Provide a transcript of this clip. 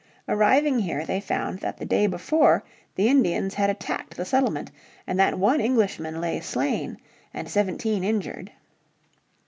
Arriving here they found that the day before the Indians had attacked the settlement and that one Englishman lay slain and seventeen injured.